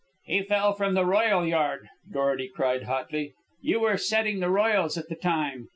"He fell from the royal yard," Dorety cried hotly. "You were setting the royals at the time.